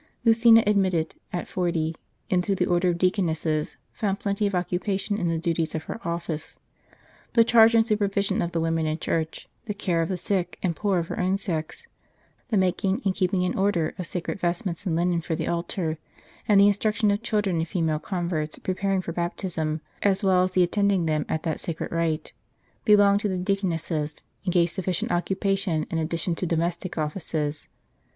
Lucina admitted, at forty,* into the order of deaconesses, found plenty of occupation in the duties of her office. The charge and supervision of the women in church, the care of the sick and poor of her own sex, the making, and keeping in oi'der of sacred vestments and linen for the altar, and the instruction of children and female converts preparing for baptism, as well as the attending them at that sacred rite, belonged to the deaconesses, and gave sufficient occupation in addition to domestic offices.